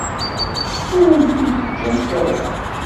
Ur am-t-id-ǧǧant ara.